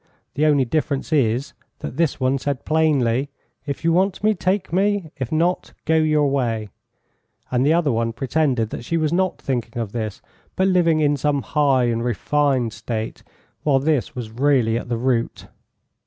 The only difference is, that this one said plainly, 'If you want me, take me; if not, go your way,' and the other one pretended that she was not thinking of this, but living in some high and refined state, while this was really at the root.